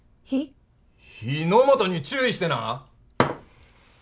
火の元に注意してな